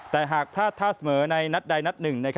แต่หากพลาดท่าเสมอในนัดใดนัดหนึ่ง